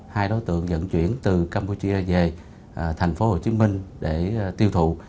hai đối tượng dẫn chuyển từ campuchia về tp hcm để tiêu thụ